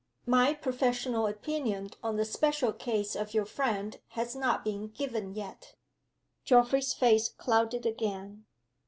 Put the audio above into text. My professional opinion on the special case of your friend has not been given yet." Geoffrey's face clouded again.